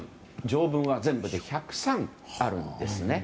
条文は全部で１０３あるんですね。